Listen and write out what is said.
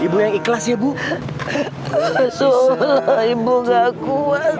ibu yang ikhlas ya bu